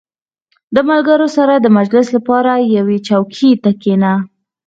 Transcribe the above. • د ملګرو سره د مجلس لپاره یوې چوکۍ ته کښېنه.